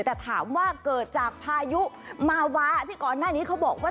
แต่ถามว่าเกิดจากพายุมาวาที่ก่อนหน้านี้เขาบอกว่า